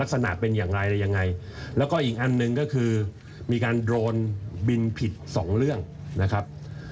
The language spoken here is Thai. ลักษณะเป็นอย่างไรอะไรยังไงแล้วก็อีกอันหนึ่งก็คือมีการโดรนบินผิดสองเรื่องนะครับ